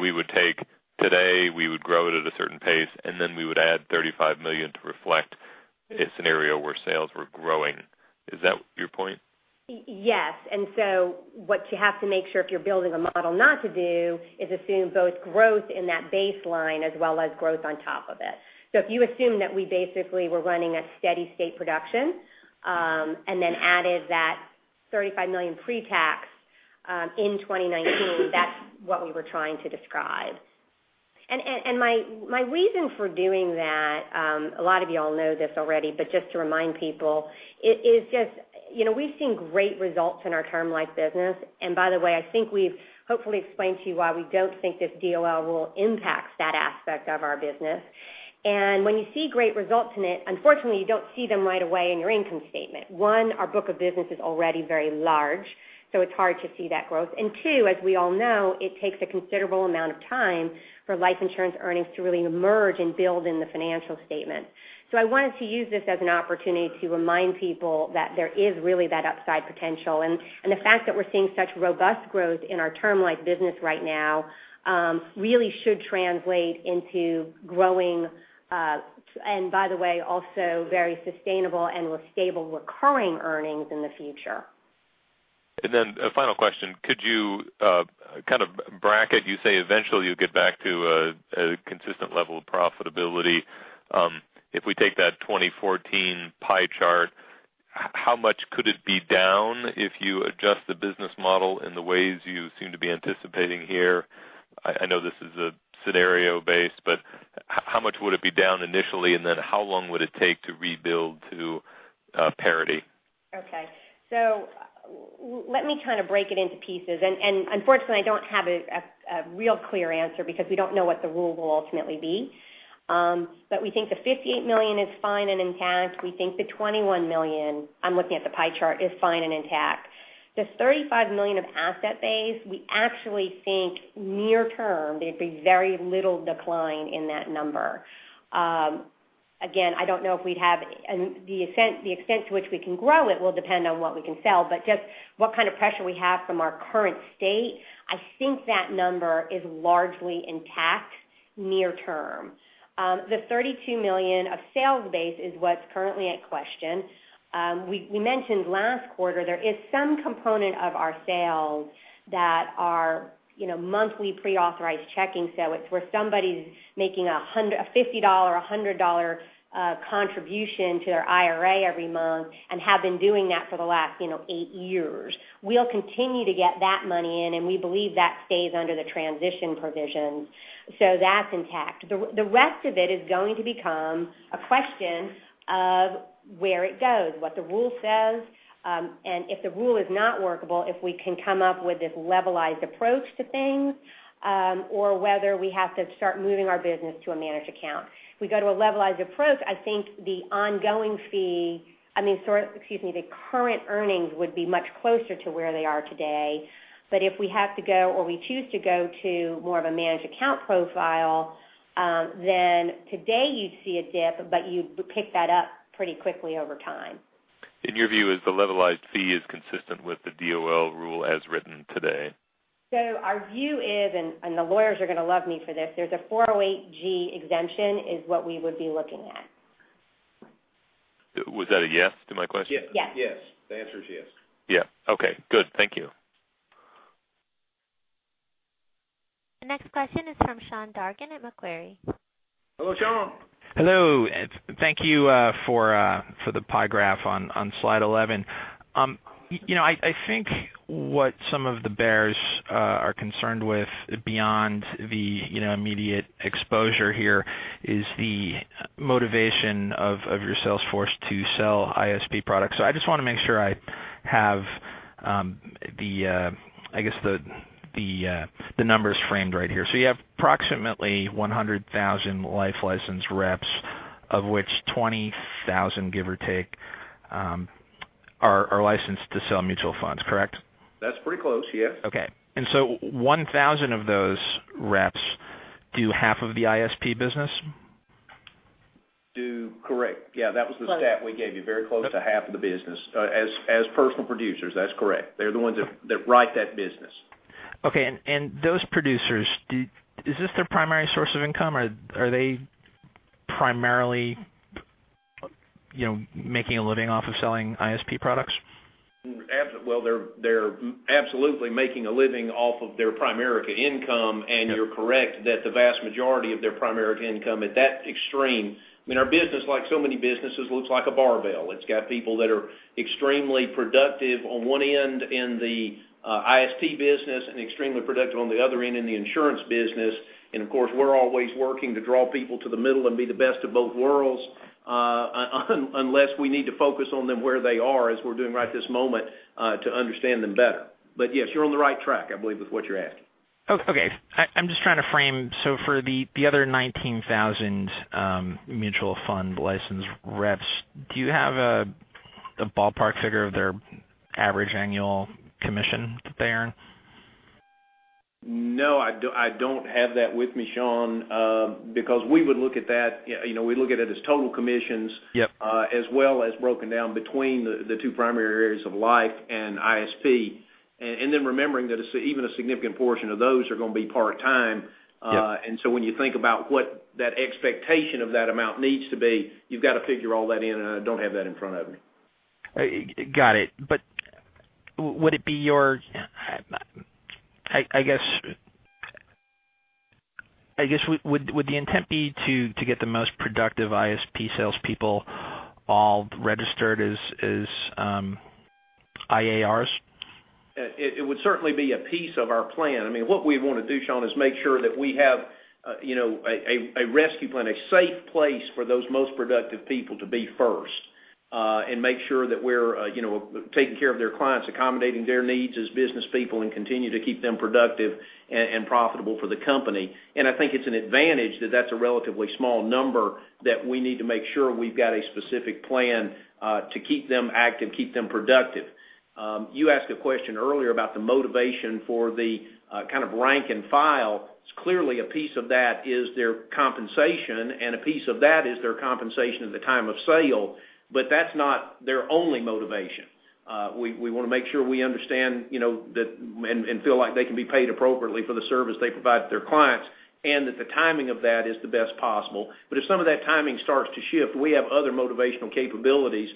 G: We would take today, we would grow it at a certain pace, and we would add $35 million to reflect a scenario where sales were growing. Is that your point?
D: Yes. What you have to make sure if you're building a model not to do is assume both growth in that baseline as well as growth on top of it. If you assume that we basically were running a steady state production, then added that $35 million pre-tax in 2019, that's what we were trying to describe. My reason for doing that, a lot of y'all know this already, but just to remind people, we've seen great results in our Term Life business. By the way, I think we've hopefully explained to you why we don't think this DOL will impact that aspect of our business. When you see great results in it, unfortunately, you don't see them right away in your income statement. One, our book of business is already very large, so it's hard to see that growth. Two, as we all know, it takes a considerable amount of time for life insurance earnings to really emerge and build in the financial statement. I wanted to use this as an opportunity to remind people that there is really that upside potential, and the fact that we're seeing such robust growth in our Term Life business right now, really should translate into growing, and by the way, also very sustainable and with stable recurring earnings in the future.
G: A final question. Could you, Kate, you say eventually you'll get back to a consistent level of profitability. If we take that 2014 pie chart, how much could it be down if you adjust the business model in the ways you seem to be anticipating here? I know this is a scenario base, but how much would it be down initially, and then how long would it take to rebuild to parity?
D: Let me kind of break it into pieces. Unfortunately, I don't have a real clear answer because we don't know what the rule will ultimately be. We think the $58 million is fine and intact. We think the $21 million, I'm looking at the pie chart, is fine and intact. The $35 million of asset base, we actually think near term, there'd be very little decline in that number. Again, I don't know if we'd have. The extent to which we can grow it will depend on what we can sell. But just what kind of pressure we have from our current state, I think that number is largely intact near term. The $32 million of sales base is what's currently at question. We mentioned last quarter there is some component of our sales that are monthly pre-authorized checking. It's where somebody's making a $50, $100 contribution to their IRA every month and have been doing that for the last eight years. We'll continue to get that money in, and we believe that stays under the transition provisions. That's intact. The rest of it is going to become a question of where it goes, what the rule says, and if the rule is not workable, if we can come up with this levelized approach to things, or whether we have to start moving our business to a managed account. If we go to a levelized approach, I think the ongoing fee, excuse me, the current earnings would be much closer to where they are today. If we have to go, or we choose to go to more of a managed account profile, today you'd see a dip, you'd pick that up pretty quickly over time.
G: Your view is the levelized fee is consistent with the DOL Rule as written today.
D: Our view is, and the lawyers are going to love me for this, there's a 408 exemption is what we would be looking at.
G: Was that a yes to my question?
D: Yes.
C: Yes. The answer is yes.
G: Yeah. Okay, good. Thank you.
A: The next question is from Sean Dargan at Macquarie.
C: Hello, Sean.
H: Hello. Thank you for the pie graph on slide 11. I think what some of the bears are concerned with beyond the immediate exposure here is the motivation of your sales force to sell ISP products. I just want to make sure I have the numbers framed right here. You have approximately 100,000 life license reps, of which 20,000, give or take, are licensed to sell mutual funds, correct?
C: That's pretty close. Yes.
H: Okay. 1,000 of those reps do half of the ISP business?
C: Correct. Yeah, that was the stat we gave you, very close to half of the business. As personal producers, that's correct. They're the ones that write that business.
H: Okay. Those producers, is this their primary source of income, or are they primarily making a living off of selling ISP products?
C: They're absolutely making a living off of their Primerica income, you're correct that the vast majority of their Primerica income at that extreme. Our business, like so many businesses, looks like a barbell. It's got people that are extremely productive on one end in the ISP business and extremely productive on the other end in the insurance business. Of course, we're always working to draw people to the middle and be the best of both worlds, unless we need to focus on them where they are, as we're doing right this moment, to understand them better. Yes, you're on the right track, I believe, with what you're asking.
H: Okay. I'm just trying to frame. For the other 19,000 mutual fund license reps, do you have a ballpark figure of their average annual commission that they earn?
C: No, I don't have that with me, Sean. We would look at that as total commissions
H: Yep
C: as well as broken down between the two primary areas of life and ISP. Then remembering that even a significant portion of those are going to be part-time.
H: Yep.
C: When you think about what that expectation of that amount needs to be, you have to figure all that in, and I don't have that in front of me.
H: Got it. Would the intent be to get the most productive ISP salespeople all registered as IARs?
C: It would certainly be a piece of our plan. What we want to do, Sean, is make sure that we have a rescue plan, a safe place for those most productive people to be first. Make sure that we're taking care of their clients, accommodating their needs as business people, and continue to keep them productive and profitable for the company. I think it's an advantage that that's a relatively small number that we need to make sure we've got a specific plan to keep them active, keep them productive. You asked a question earlier about the motivation for the kind of rank and file. Clearly, a piece of that is their compensation, and a piece of that is their compensation at the time of sale, but that's not their only motivation. We want to make sure we understand and feel like they can be paid appropriately for the service they provide to their clients. That the timing of that is the best possible. If some of that timing starts to shift, we have other motivational capabilities.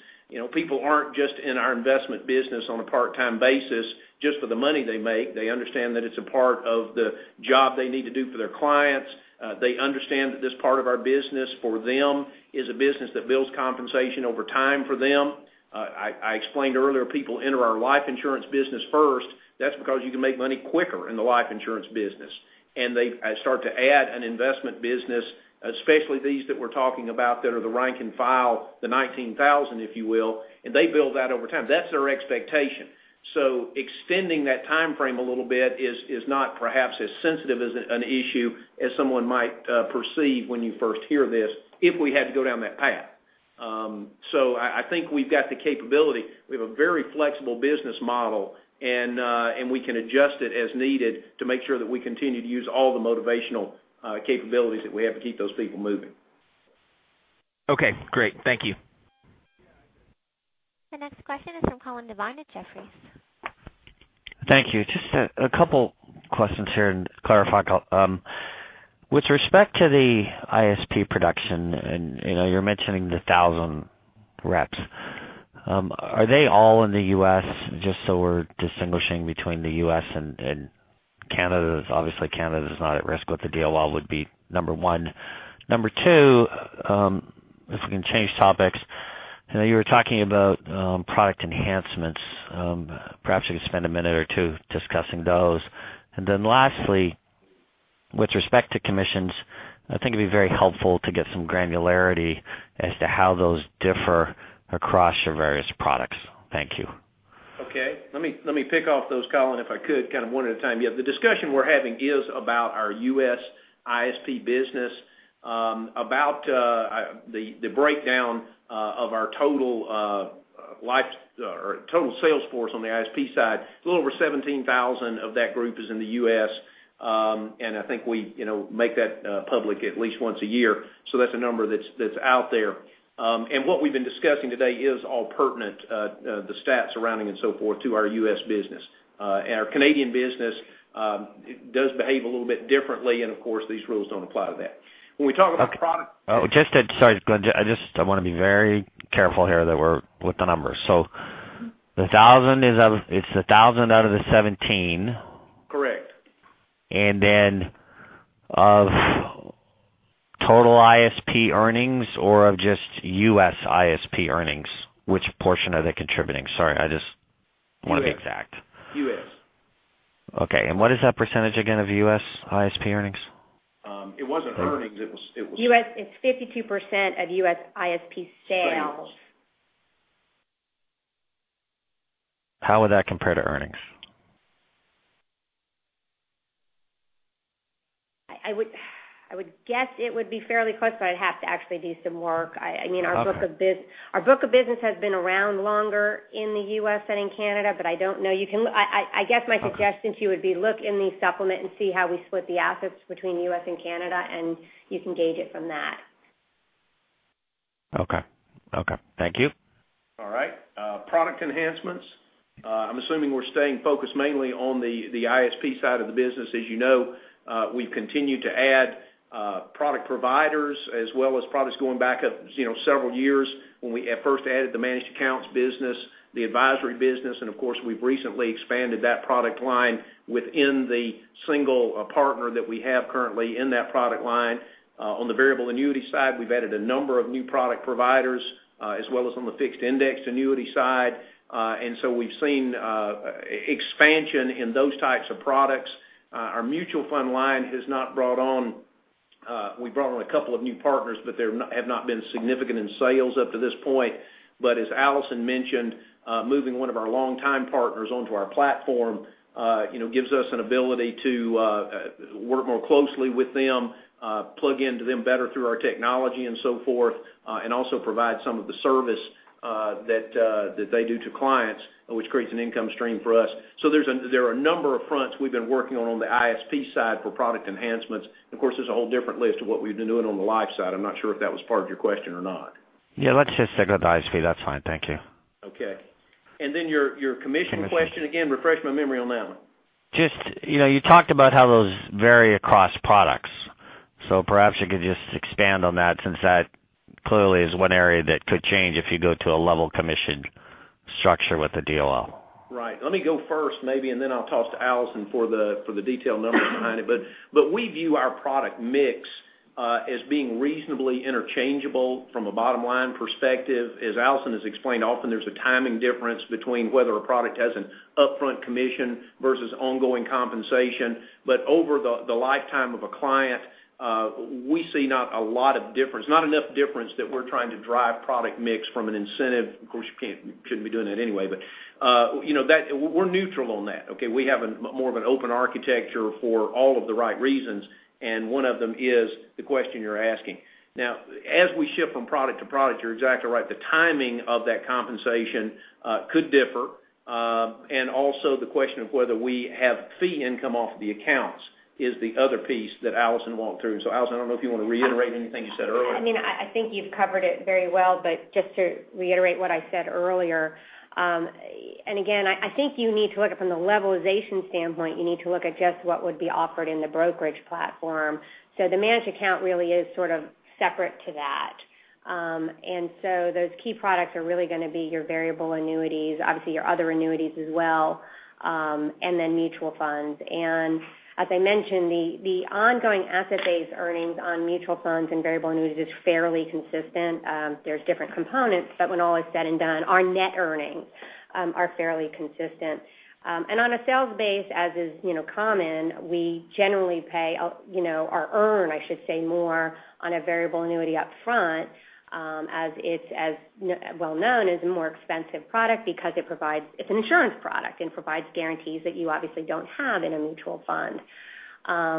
C: People aren't just in our investment business on a part-time basis just for the money they make. They understand that it's a part of the job they need to do for their clients. They understand that this part of our business for them is a business that builds compensation over time for them. I explained earlier, people enter our life insurance business first. That's because you can make money quicker in the life insurance business. They start to add an investment business, especially these that we're talking about that are the rank and file, the 19,000, if you will, and they build that over time. That's their expectation. Extending that timeframe a little bit is not perhaps as sensitive an issue as someone might perceive when you first hear this if we had to go down that path. I think we've got the capability. We have a very flexible business model, and we can adjust it as needed to make sure that we continue to use all the motivational capabilities that we have to keep those people moving.
H: Okay, great. Thank you.
A: The next question is from Colin Devine at Jefferies.
I: Thank you. Just a couple questions here, clarify. With respect to the ISP production, and you're mentioning the 1,000 reps. Are they all in the U.S.? Just so we're distinguishing between the U.S. and Canada. Obviously, Canada is not at risk with the DOL would be Number 1. Number 2, if we can change topics. I know you were talking about product enhancements. Perhaps you could spend one minute or two discussing those. Then lastly, with respect to commissions, I think it'd be very helpful to get some granularity as to how those differ across your various products. Thank you.
C: Okay. Let me pick off those, Colin, if I could, one at a time. Yeah, the discussion we're having is about our U.S. ISP business about the breakdown of our total sales force on the ISP side. A little over 17,000 of that group is in the U.S., and I think we make that public at least once a year. That's a number that's out there. What we've been discussing today is all pertinent, the stats surrounding and so forth, to our U.S. business. Our Canadian business does behave a little bit differently, and of course, these rules don't apply to that. When we talk about product-
I: Okay. Sorry, I want to be very careful here with the numbers. It's 1,000 out of the 17.
C: Correct.
I: Of total ISP earnings or of just U.S. ISP earnings, which portion are they contributing? Sorry, I just want to be exact.
C: U.S.
I: Okay. What is that percentage again of U.S. ISP earnings?
C: It wasn't earnings. It was-
D: It's 52% of U.S. ISP sales.
C: Sales.
I: How would that compare to earnings?
D: I would guess it would be fairly close, but I'd have to actually do some work.
I: Okay.
D: Our book of business has been around longer in the U.S. than in Canada. I don't know. I guess my suggestion to you would be look in the supplement and see how we split the assets between U.S. and Canada. You can gauge it from that.
I: Okay. Thank you.
C: All right. Product enhancements. I'm assuming we're staying focused mainly on the ISP side of the business. As you know, we've continued to add product providers as well as products going back several years when we at first added the managed accounts business, the advisory business. Of course, we've recently expanded that product line within the single partner that we have currently in that product line. On the variable annuity side, we've added a number of new product providers, as well as on the fixed indexed annuity side. We've seen expansion in those types of products. Our mutual fund line, we brought on a couple of new partners, they have not been significant in sales up to this point. As Alison mentioned, moving one of our longtime partners onto our platform gives us an ability to work more closely with them, plug into them better through our technology and so forth, and also provide some of the service that they do to clients, which creates an income stream for us. There are a number of fronts we've been working on the ISP side for product enhancements. Of course, there's a whole different list of what we've been doing on the life side. I'm not sure if that was part of your question or not.
I: Yeah, let's just stick with the ISP. That's fine. Thank you.
C: Okay. Then your commission question again, refresh my memory on that one.
I: You talked about how those vary across products. Perhaps you could just expand on that since that clearly is one area that could change if you go to a level commission structure with the DOL.
C: Right. Let me go first maybe, and then I'll toss to Alison for the detailed numbers behind it. We view our product mix as being reasonably interchangeable from a bottom-line perspective. As Alison has explained, often there's a timing difference between whether a product has an upfront commission versus ongoing compensation. Over the lifetime of a client, we see not a lot of difference, not enough difference that we're trying to drive product mix from an incentive. Of course, you shouldn't be doing that anyway, but we're neutral on that. Okay. We have more of an open architecture for all of the right reasons, and one of them is the question you're asking. Now, as we shift from product to product, you're exactly right, the timing of that compensation could differ. The question of whether we have fee income off the accounts is the other piece that Alison walked through. Alison, I don't know if you want to reiterate anything you said earlier.
D: I think you've covered it very well, just to reiterate what I said earlier. Again, I think you need to look at from the levelization standpoint, you need to look at just what would be offered in the brokerage platform. The managed account really is sort of separate to that. Those key products are really going to be your variable annuities, obviously your other annuities as well, and then mutual funds. As I mentioned, the ongoing asset-based earnings on mutual funds and variable annuities is fairly consistent. There's different components, but when all is said and done, our net earnings are fairly consistent. On a sales base, as is common, we generally pay or earn, I should say, more on a variable annuity up front as it's well known as a more expensive product because it's an insurance product and provides guarantees that you obviously don't have in a mutual fund.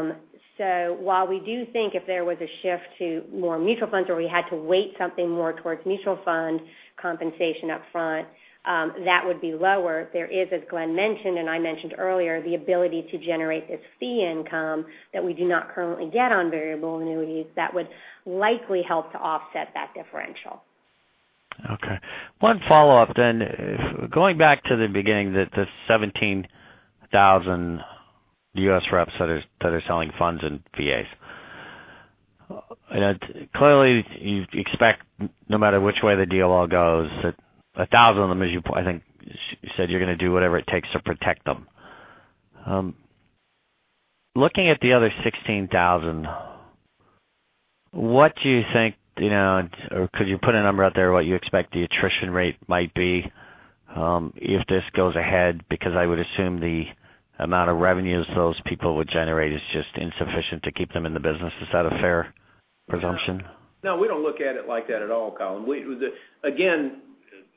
D: While we do think if there was a shift to more mutual funds or we had to weight something more towards mutual fund compensation up front, that would be lower. There is, as Glenn mentioned, and I mentioned earlier, the ability to generate this fee income that we do not currently get on variable annuities that would likely help to offset that differential.
I: Okay. One follow-up then. Going back to the beginning, the 17,000 U.S. reps that are selling funds and VAs. Clearly, you expect no matter which way the DOL goes, that 1,000 of them, as you said, you're going to do whatever it takes to protect them. Looking at the other 16,000, could you put a number out there what you expect the attrition rate might be if this goes ahead? Because I would assume the amount of revenues those people would generate is just insufficient to keep them in the business. Is that a fair presumption?
C: No, we don't look at it like that at all, Colin. Again,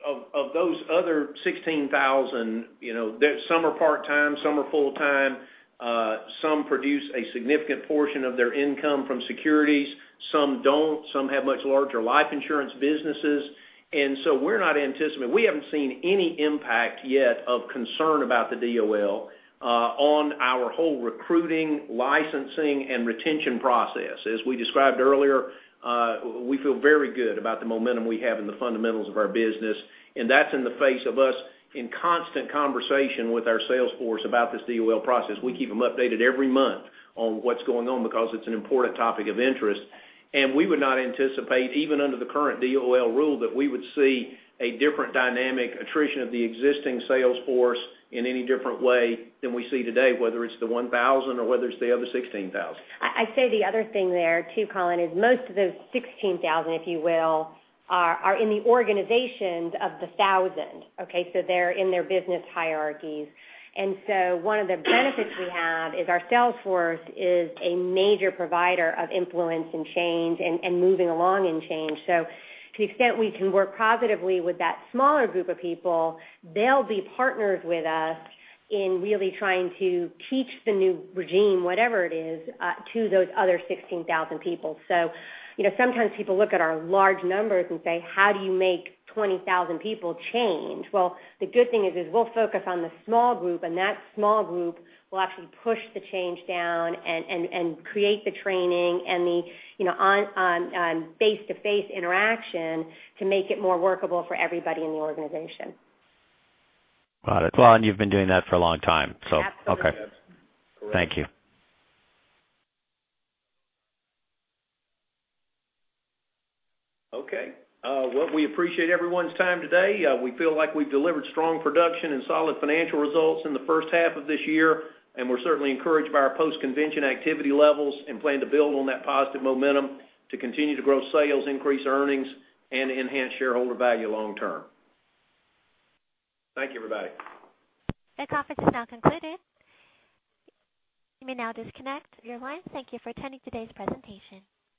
C: of those other 16,000, some are part-time, some are full-time, some produce a significant portion of their income from securities, some don't, some have much larger life insurance businesses. We haven't seen any impact yet of concern about the DOL on our whole recruiting, licensing, and retention process. As we described earlier, we feel very good about the momentum we have in the fundamentals of our business. That's in the face of us in constant conversation with our sales force about this DOL process. We keep them updated every month on what's going on because it's an important topic of interest. We would not anticipate, even under the current DOL rule, that we would see a different dynamic attrition of the existing sales force in any different way than we see today, whether it's the 1,000 or whether it's the other 16,000.
D: I'd say the other thing there too, Colin, is most of those 16,000, if you will, are in the organizations of the 1,000. Okay? They're in their business hierarchies. One of the benefits we have is our sales force is a major provider of influence and change and moving along in change. To the extent we can work positively with that smaller group of people, they'll be partners with us in really trying to teach the new regime, whatever it is, to those other 16,000 people. Sometimes people look at our large numbers and say, "How do you make 20,000 people change?" Well, the good thing is we'll focus on the small group, and that small group will actually push the change down and create the training and the face-to-face interaction to make it more workable for everybody in the organization.
I: Got it. Well, you've been doing that for a long time, okay.
D: Absolutely.
I: Thank you.
C: Okay. Well, we appreciate everyone's time today. We feel like we've delivered strong production and solid financial results in the first half of this year. We're certainly encouraged by our post-convention activity levels and plan to build on that positive momentum to continue to grow sales, increase earnings, and enhance shareholder value long term. Thank you, everybody.
A: This conference is now concluded. You may now disconnect your line. Thank you for attending today's presentation.